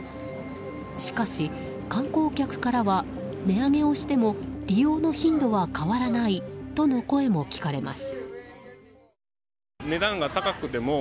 しかし観光客からは値上げをしても利用の頻度は変わらないとの声も聞かれます。